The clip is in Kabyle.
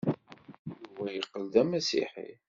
Yuba yeqqel d amasiḥi.